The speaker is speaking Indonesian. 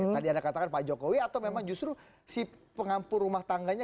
tadi anda katakan pak jokowi atau memang justru si pengampu rumah tangganya